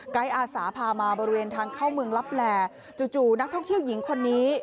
อาสาพามาบริเวณทางเข้าเมืองลับแหล่จู่นักท่องเที่ยวหญิงคนนี้